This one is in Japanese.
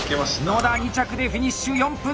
野田２着でフィニッシュ。